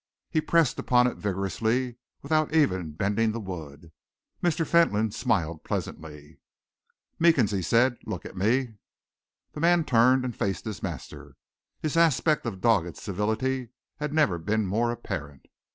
He pressed upon it vigorously without even bending the wood. Mr. Fentolin smiled pleasantly. "Meekins," he said, "look at me." The man turned and faced his master. His aspect of dogged civility had never been more apparent.